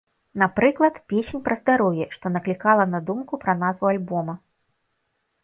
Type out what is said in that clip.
Напрыклад, песень пра здароўе, што наклікала на думку пра назву альбома.